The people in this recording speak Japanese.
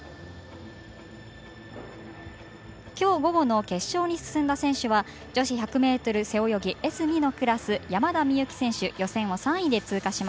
今日午後の決勝に進んだ選手は女子１００ｍ背泳ぎＳ２のクラス山田美幸選手、予選３位で通過。